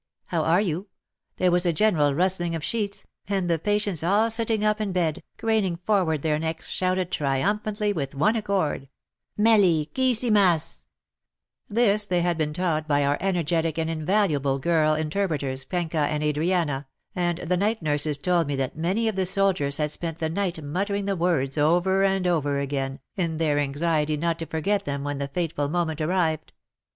— How are you ?— there was a general rus tling of sheets, and the patients, all sitting up in bed, craning forward their necks, shouted tri umphantly with one accord, *' Melly Kissi mas," 1 86 WAR AND WOMEN This they had been taught by our energetic and invaluable girl interpreters, Pencka and Adriana, and the night nurses told me that many of the soldiers had spent the night muttering the words over and over again, in their anxiety not to forget them when the fate ful moment arrived.